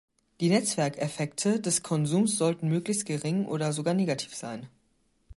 Die Netzwerkeffekte des Konsums sollten möglichst gering oder sogar negativ sein.